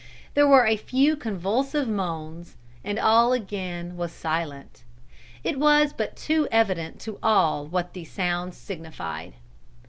There were a few convulsive moans, and all again was silent. It was but too evident to all what these sounds signified.